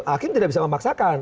hakim tidak bisa memaksakan